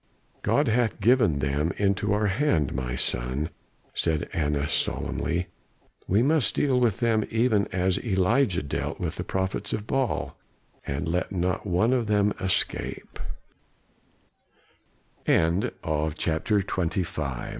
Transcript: "God hath given them into our hand, my son," said Annas solemnly. "We must deal with them even as Elijah dealt with the prophets of Baal, and 'let not one of them